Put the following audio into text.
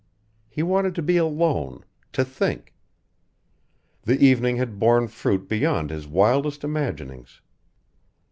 He wanted to be alone to think The evening had borne fruit beyond his wildest imaginings.